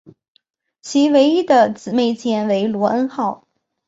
其唯一的姊妹舰为罗恩号。